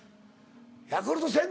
「ヤクルト１０００